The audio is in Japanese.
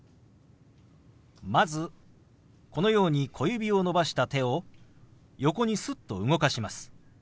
まずこのように小指を伸ばした手を横にすっと動かします。